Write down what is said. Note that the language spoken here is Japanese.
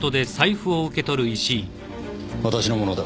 私のものだ。